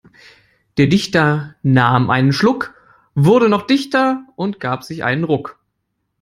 Der Dichter nahm einen Schluck, wurde noch dichter und gab sich einen Ruck.